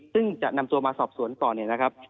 ซึ่งจะนำตัวมาสอบสวนก่อนเนี่ยนะครับ